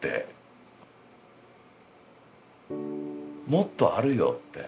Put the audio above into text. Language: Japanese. もっとあるよって。